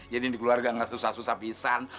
jadi dikeluarga gak susah susah pisang